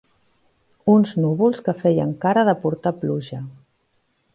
Uns núvols que feien cara de portar pluja.